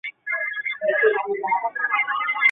天主教古比奥教区是天主教会在义大利的一个教区。